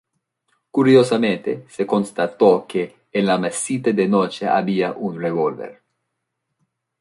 Curiosamente, se constató que "en la mesita de noche había un revólver".